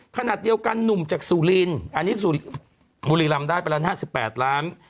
ขณะเดียวกันหนุ่มจากสุรินอันนี้บุรีรำได้ไปแล้ว๕๘ล้าน